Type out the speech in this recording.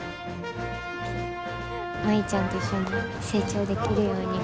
舞ちゃんと一緒に成長できるように。